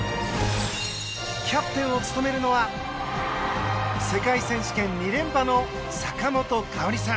キャプテンを務めるのは世界選手権２連覇の坂本花織さん